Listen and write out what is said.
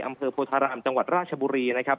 อำเภอโพธารามจังหวัดราชบุรีนะครับ